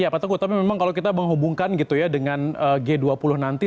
iya pak teguh tapi memang kalau kita menghubungkan dengan g dua puluh nanti